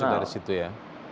maksud dari situ ya